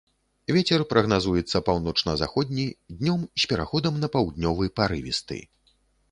Вецер прагназуецца паўночна-заходні, днём з пераходам на паўднёвы, парывісты.